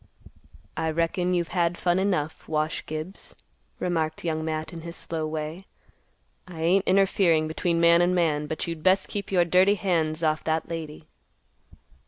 "I reckon you've had fun enough, Wash Gibbs," remarked Young Matt in his slow way. "I ain't interfering between man and man, but you'd best keep your dirty hands off that lady."